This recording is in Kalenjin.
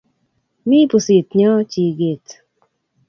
Mi pusit nyo chiget.